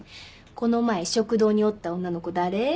この前食堂におった女の子誰？